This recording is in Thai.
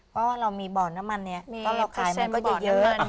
เพราะว่าเรามีบ่อนน้ำมันนี้เพราะเราขายมันก็เยอะ